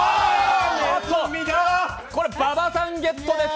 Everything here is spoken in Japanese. これ、馬場さんゲットです。